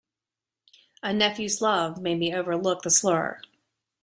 A nephew's love made me overlook the slur.